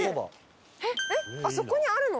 えっあそこにあるの？